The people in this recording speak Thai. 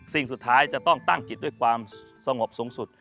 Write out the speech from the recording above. สิ่งสุดท้ายจะต้องตั้งจิตด้วยความสงบสูงสุด